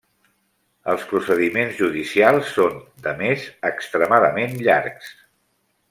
Els procediments judicials són, de més, extremadament llargs.